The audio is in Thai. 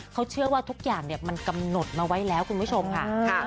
เขาเชื่อว่าทุกอย่างมันกำหนดมาไว้แล้วคุณผู้ชมค่ะ